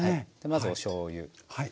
まずおしょうゆ。